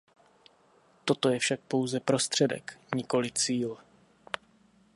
Toto je však pouze prostředek, nikoli cíl.